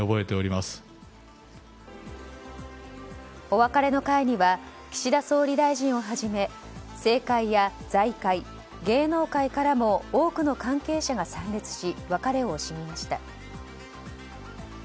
お別れの会には岸田総理大臣をはじめ政界や財界、芸能界からも多くの関係者が参列し別れを惜しみました。